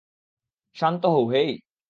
শান্ত হও, হেই।